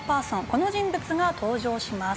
この人物が登場します。